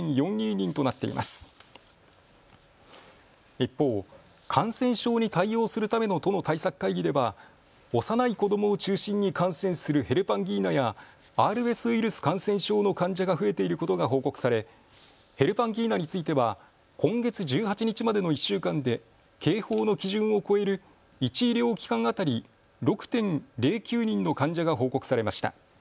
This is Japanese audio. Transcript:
一方、感染症に対応するための都の対策会議では幼い子どもを中心に感染するヘルパンギーナやＲＳウイルス感染症の患者が増えていることが報告されヘルパンギーナについては今月１８日までの１週間で警報の基準を超える１医療機関当たり６．０９人の患者が報告されました。